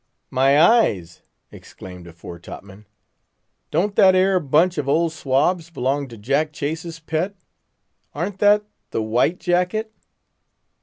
"My eyes!" exclaimed a fore top man, "don't that 'ere bunch of old swabs belong to Jack Chase's pet? Aren't that _the white jacket?